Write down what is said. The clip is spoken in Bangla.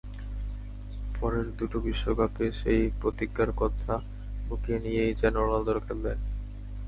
পরের দুটো বিশ্বকাপে সেই প্রতিজ্ঞার কথা বুকে নিয়েই যেন রোনালদো খেললেন।